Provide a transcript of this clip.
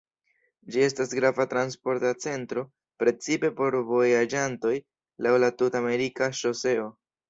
Ĝi estas grava transporta centro, precipe por vojaĝantoj laŭ la Tut-Amerika Ŝoseo.